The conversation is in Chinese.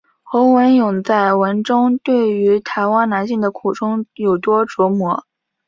侯文咏在文中对于台湾男性的苦衷有多琢磨。